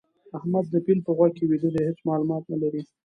احمد د پيل په غوږ کې ويده دی؛ هيڅ مالومات نه لري.